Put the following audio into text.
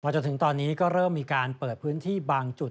จนถึงตอนนี้ก็เริ่มมีการเปิดพื้นที่บางจุด